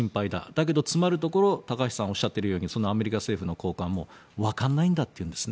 だけど、つまるところ高橋さんがおっしゃっているようにアメリカ政府の高官もわからないんだって言うんです